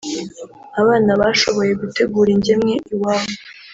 Abana bashoboye gutegura ingemwe iwabo